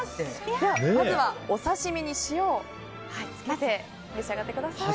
ではまずはお刺し身に塩をつけて召し上がってください。